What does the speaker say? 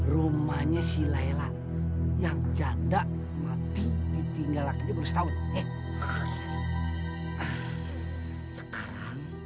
romanya si layla yang janda mati ditinggal laki laki baru setahun